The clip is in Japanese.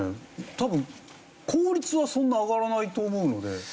多分効率はそんなに上がらないと思うので。